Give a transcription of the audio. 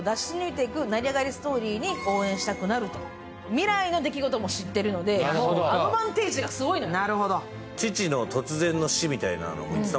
未来の出来事も知ってるのでアドバンテージがすごいのよ。